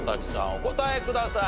お答えください。